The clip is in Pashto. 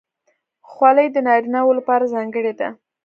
خولۍ د نارینه وو لپاره ځانګړې ده.